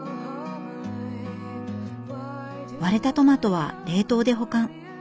割れたトマトは冷凍で保管。